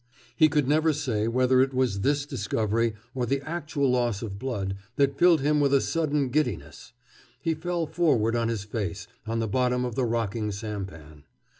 He could never say whether it was this discovery, or the actual loss of blood, that filled him with a sudden giddiness. He fell forward on his face, on the bottom of the rocking sampan.